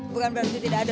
bukan berarti tidak ada